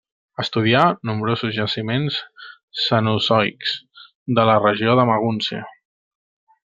Estudià nombrosos jaciments cenozoics de la regió de Magúncia.